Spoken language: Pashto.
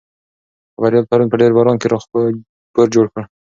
خبریال پرون په ډېر باران کې راپور جوړ کړ.